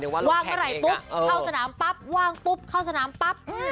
ว่างเมื่อไหร่ปุ๊บเข้าสนามปั๊บว่างปุ๊บเข้าสนามปั๊บ